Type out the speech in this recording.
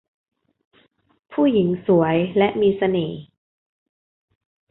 ผู้หญิงสวยและมีเสน่ห์